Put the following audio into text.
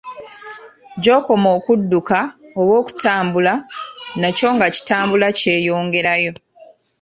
Gy'okoma okudduka, oba okutambula, nakyo nga kitambula kyeyongerayo.